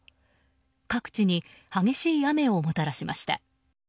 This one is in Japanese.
各地に激しい雨をもたらしました。